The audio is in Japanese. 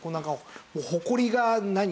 ホコリが何？